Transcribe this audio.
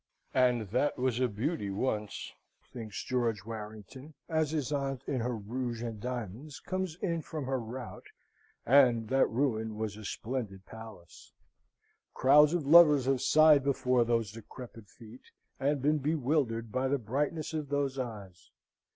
"And that was a beauty once!" thinks George Warrington, as his aunt, in her rouge and diamonds, comes in from her rout, "and that ruin was a splendid palace. Crowds of lovers have sighed before those decrepit feet, and been bewildered by the brightness of those eyes."